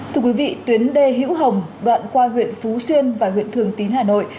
thưa quý vị tuyến đê hữu hồng đoạn qua huyện phú xuyên và huyện thường tín hà nội